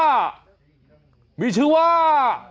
มันมีชื่อว่า